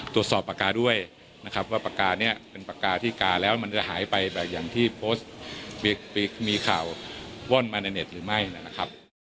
ปากกาด้วยนะครับว่าปากกาเนี่ยเป็นปากกาที่กาแล้วมันจะหายไปแบบอย่างที่โพสต์มีข่าวว่อนมาในเน็ตหรือไม่นะครับ